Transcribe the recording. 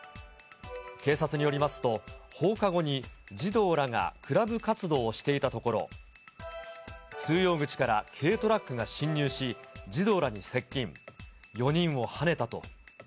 警察によりますと、放課後に児童らがクラブ活動をしていたところ、通用口から軽トラックが侵入し、児童らに接近。